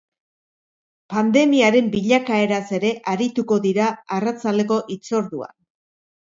Pandemiaren bilakaeraz ere arituko dira arratsaldeko hitzorduan.